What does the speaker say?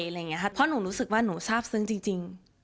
เพราะหนูรู้สึกว่าหนูทราบซึ้งจริง